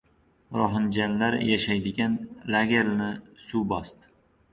Rohinjalar yashaydigan lagerlarni suv bosdi